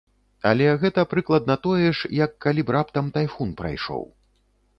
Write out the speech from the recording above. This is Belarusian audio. Але гэта прыкладна тое ж, як калі б раптам тайфун прайшоў.